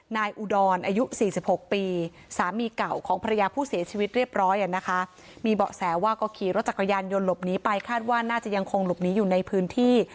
อุดรอายุ๔๖ปีสามีเก่าของภรรยาผู้เสียชีวิตเรียบร้อยอ่ะนะคะมีเบาะแสว่าก็ขี่รถจักรยานยนต์หลบหนีไปคาดว่าน่าจะยังคงหลบหนีอยู่ในพื้นที่